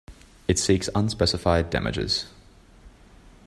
It seeks unspecified damages.